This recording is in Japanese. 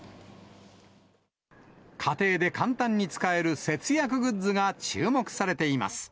家庭で簡単に使える節約グッズが注目されています。